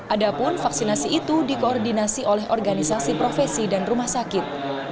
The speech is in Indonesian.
adapun vaksinasi itu dikoordinasi oleh organisasi profesi dan rumah sakit